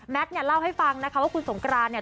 เนี่ยเล่าให้ฟังนะคะว่าคุณสงกรานเนี่ย